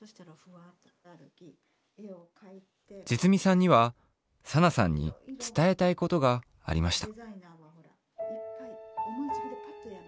じつみさんにはサナさんにつたえたいことがありました。